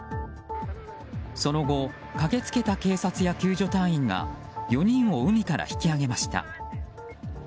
その後、駆け付けた警察や救助隊員が４人を海から引き上げました。